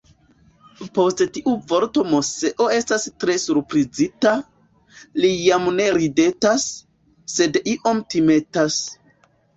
Post tiu vorto Moseo estas tre surprizita, li jam ne ridetas, sed iom timetas.